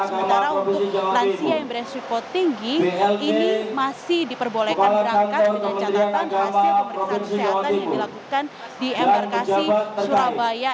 sementara untuk lansia yang beresiko tinggi ini masih diperbolehkan berangkat dengan catatan hasil pemeriksaan kesehatan yang dilakukan di embarkasi surabaya